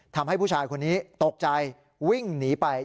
ทำให้ผู้ชายคนนี้ตกใจวิ่งหนีไป